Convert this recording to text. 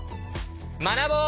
学ぼう！